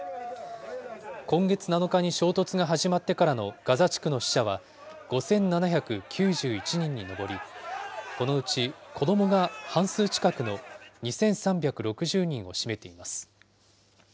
今月７日に衝突が始まってからのガザ地区の死者は５７９１人に上り、このうち子どもが半数近くの２３６０人を占めています。